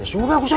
ya sudah ustadz